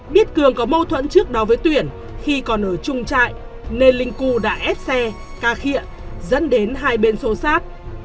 biết cường có mâu thuẫn trước đó với tuyển khi còn ở chung trại nên linh cu đã ép xe ca khịa dẫn đến hai bên sổ sát